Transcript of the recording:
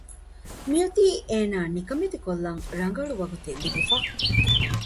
މިއޮތީ އޭނާ ނިކަމެތިކޮށްލަން ރަނގަޅު ވަގުތެއް ލިބިފަ